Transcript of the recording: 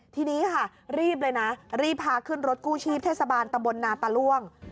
ทีนี้ค่ะรีบเลยนะรีบพาขึ้นรถกู้ชีพเทศบาลตำบลนาตาล่วง